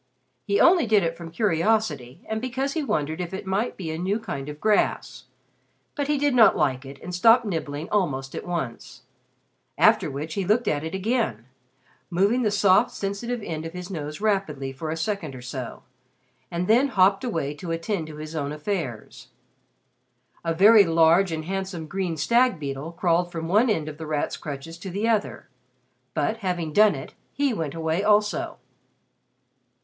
He only did it from curiosity and because he wondered if it might be a new kind of grass, but he did not like it and stopped nibbling almost at once, after which he looked at it again, moving the soft sensitive end of his nose rapidly for a second or so, and then hopped away to attend to his own affairs. A very large and handsome green stag beetle crawled from one end of The Rat's crutches to the other, but, having done it, he went away also.